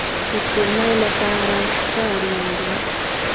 د سپوږمۍ لپاره شپه اړین ده